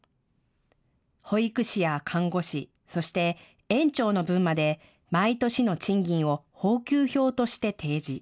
保育士や看護師、そして園長の分まで毎年の賃金を俸給表として提示。